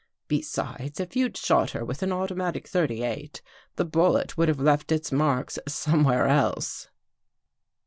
Besides, if you'd shot her with an automatic 38, the bullet would have left its marks somewhere else."